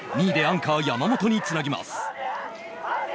２位でアンカー山本につなぎます。